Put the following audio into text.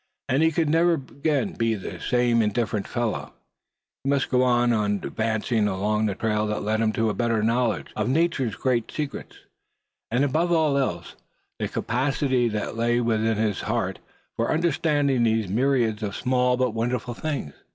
And he could never again be the same indifferent fellow; he must go on advancing along the trail that led to a better knowledge of Nature's great secrets; and above all else, the capacity that lay within his own heart for understanding these myriads of small but wonderful things.